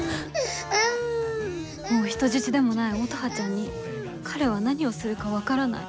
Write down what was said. もう人質でもない乙葉ちゃんに彼は何をするか分からない。